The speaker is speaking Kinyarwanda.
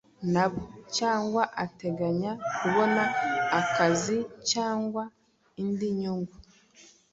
nabo cyangwa ateganya kubona akazi cyangwa indi nyungu.